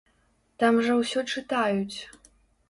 Там жа ўсё чытаюць!